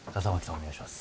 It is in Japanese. お願いします。